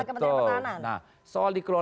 kelola oleh kementerian pertahanan